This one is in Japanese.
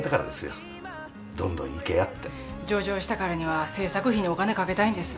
上場したからには制作費にお金かけたいんです。